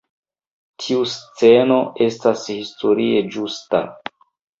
Tiu sceno estas historie ĝusta.